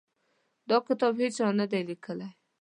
دا کتاب هیچا نه دی لیدلی.